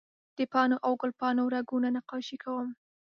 د پاڼو او ګل پاڼو رګونه نقاشي کوم